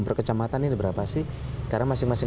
per kecamatan ini berapa sih karena masing masing